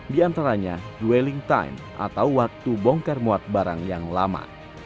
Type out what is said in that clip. di antaranya dwelling time atau waktu bongkar muat barang yang lama